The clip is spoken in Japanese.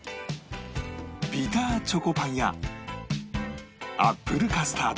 ビターチョコパンやアップルカスタード